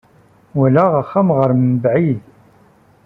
Walaɣ axxam ɣer mebɛid.